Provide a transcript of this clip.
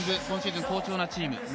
今シーズン好調なチーム。